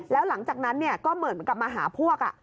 แล้วหลังจากนั้นก็เหมือนกับมาหาพวก